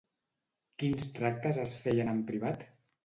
Quins tractes es feien en privat?